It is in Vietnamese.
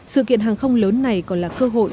sự kiện hàng không lớn này còn là cơ hội